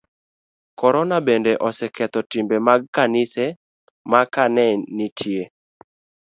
Korona bende oseketho timbe mag kanise, ma ka ne nitie